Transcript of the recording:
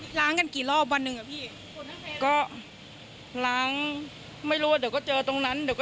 ใช่มันก็เป็นข้างนั้นแล้วฝุ่นก็เกาะเลย